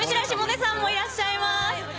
上白石萌音さんもいらっしゃいます。